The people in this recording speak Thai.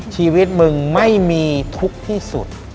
ชีวิตมึงไม่มีทุกข์ที่สุด